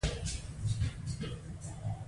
دوی د سروې او د اوبو پخوانی سیستم عملي کړ.